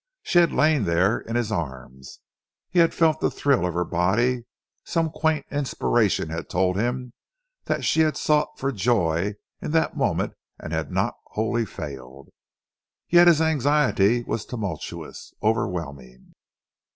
She had lain there in his arms, he had felt the thrill of her body, some quaint inspiration had told him that she had sought for joy in that moment and had not wholly failed. Yet his anxiety was tumultuous, overwhelming.